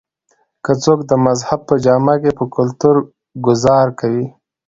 کۀ څوک د مذهب پۀ جامه کښې پۀ کلتور ګذار کوي